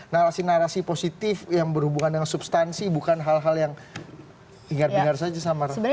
narasi narasi positif yang berhubungan dengan substansi bukan hal hal yang hingar bingar saja sama rakyat